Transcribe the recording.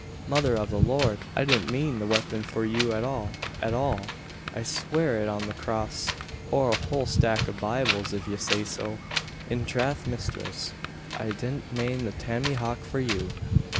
"Mother av the Lard! I didn't mane the waypon for you at all, at all! I'll sware it on the crass or a whole stack av Bibles if yez say so. In trath misthress; I didn't mane the tammyhauk for you!"